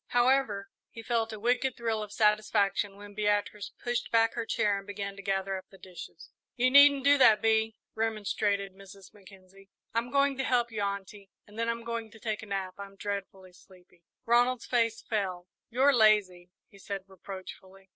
However, he felt a wicked thrill of satisfaction when Beatrice pushed back her chair and began to gather up the dishes. "You needn't do that, Bee," remonstrated Mrs. Mackenzie. "I'm going to help you, Aunty, and then I'm going to take a nap. I'm dreadfully sleepy." Ronald's face fell. "You're lazy," he said reproachfully.